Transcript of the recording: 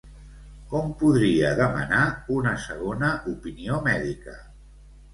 Com podria demanar una segona opinió mèdica?